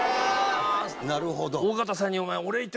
なるほど。